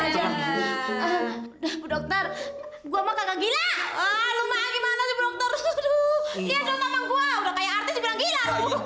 sampai jumpa di video selanjutnya